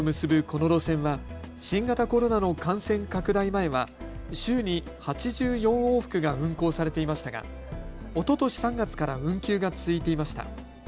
この路線は新型コロナの感染拡大前は週に８４往復が運航されていましたがおととし３月から運休が続いていました。